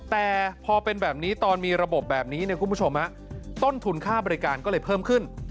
แต่พอเป็นแบบนี้ตอนมีระบบแบบนี้เนี่ยคุณผู้ชมต้นทุนค่าบริการก็เลยเพิ่มขึ้น